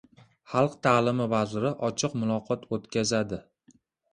Xalq ta’limi vaziri ochiq muloqot o‘tkazadi